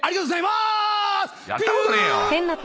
やったことねえよ。